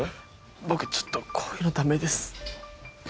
僕ちょっとこういうのダメです。